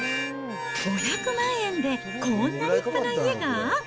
５００万円でこんな立派な家が？